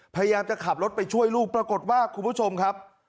พยายามจะขับรถไปช่วยลูกปรากฏว่าคุณผู้ชมครับ